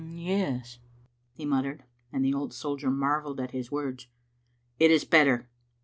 ''Yes," he muttered, and the old soldier marvelled at his words, "it is better.